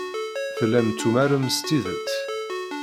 Tellam tumarem s tidet.